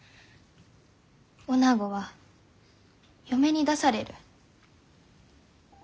おなごは嫁に出される。